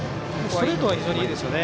ストレートは非常にいいですね。